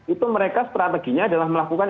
itu mereka strateginya adalah melakukan